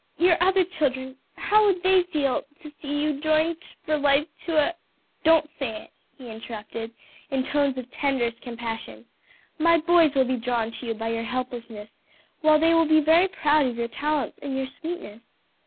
your other children? how would they feel to see you joined for life to a " "Don't say it," he interrupted, in tones of tenderest compassion. "My boys will be drawn to you by your helplessness, while they will be very proud of your talents and your sweetness.